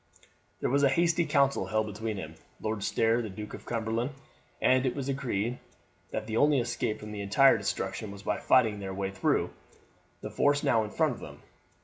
There was a hasty council held between him, Lord Stair, and the Duke of Cumberland, and it was agreed that the only escape from entire destruction was by fighting their way through the force now in front of them.